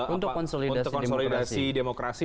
untuk konsolidasi demokrasi